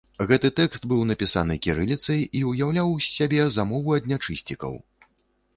Гэты тэкст быў напісаны кірыліцай і ўяўляў з сябе замову ад нячысцікаў.